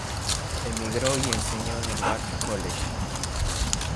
Emigró y enseñó en el "Bard College".